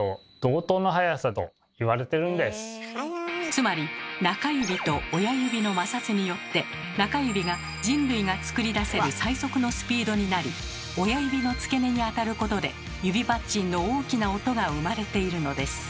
つまり中指と親指の摩擦によって中指が人類がつくり出せる最速のスピードになり親指の付け根にあたることで指パッチンの大きな音が生まれているのです。